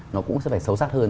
nó cũng sẽ phải xấu sắc hơn